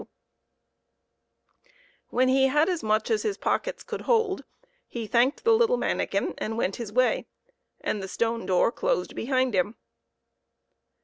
Claus and fhe Aanikin When he had as much as his pockets could hold, he thanked the little manikin and went his way, and the stone door closed behind him.